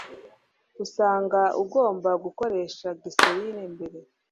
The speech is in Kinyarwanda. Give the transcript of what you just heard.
usanga ugomba gukoresha glycerine mbere